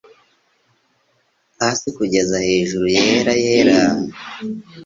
Hasi kugeza hejuru yera yera,